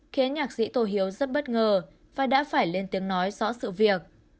khiến nhạc sĩ tổ hiếu rất bất ngờ và đã phải lên tiếng nói rõ sự việc